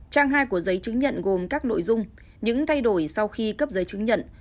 trang hai của giấy chứng nhận gồm các nội dung những thay đổi sau khi cấp giấy chứng nhận